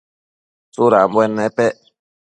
Tsudambuen nepec ?